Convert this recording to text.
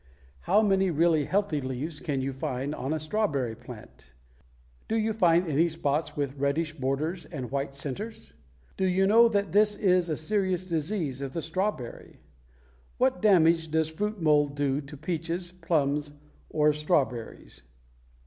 How many really healthy leaves can you find on a strawberry plant? Do you find any spots with reddish borders and white centers? Do you know that this is a serious disease of the strawberry? What damage does fruit mold do to peaches, plums, or strawberries?